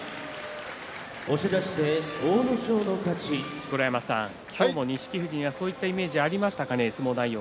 錣山さん、今日も錦富士にはそういったイメージがありましたかね？